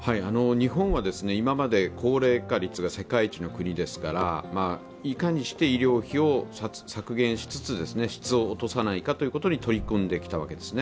日本は今まで高齢化率が世界一の国ですからいかにして医療費を削減しつつ、質を落とさないかということに取り組んできたわけですね。